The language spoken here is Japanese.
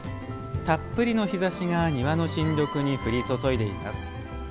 たっぷりの日ざしが庭の新緑に降り注いでいます。